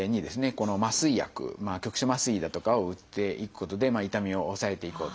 この麻酔薬局所麻酔だとかを打っていくことで痛みを抑えていこうと。